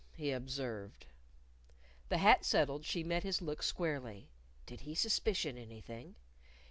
he observed. The hat settled, she met his look squarely. (Did he suspicion anything?)